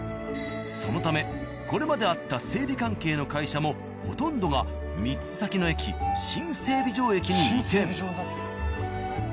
そのためこれまであった整備関係の会社もほとんどが３つ先の駅新整備場駅に移転。